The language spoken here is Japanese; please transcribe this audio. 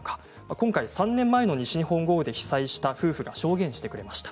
今回、３年前の西日本豪雨で被災した夫婦が証言してくれました。